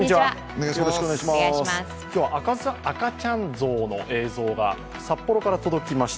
今日は赤ちゃんゾウの映像が札幌から届きました。